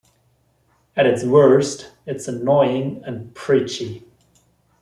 At its worst, it's annoying and preachy.